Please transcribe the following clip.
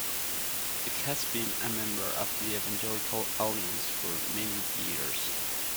It has been a member of the Evangelical Alliance for many years.